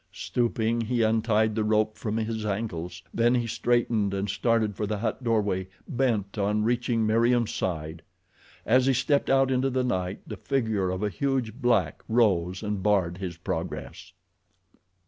Stooping, he untied the rope from his ankles, then he straightened and started for the hut doorway bent on reaching Meriem's side. As he stepped out into the night the figure of a huge black rose and barred his progress.